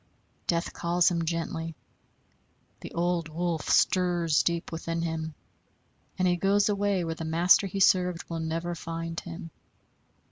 Death calls him gently; the old wolf stirs deep within him, and he goes away where the master he served will never find him.